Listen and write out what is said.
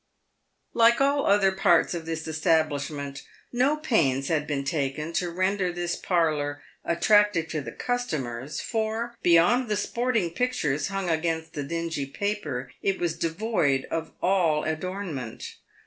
Like all other parts of this establishment, no pains had been taken to render this parlour attractive to the customers, for, beyond the sport ing pictures hung against the dingy paper, it was devoid of all adorn ment.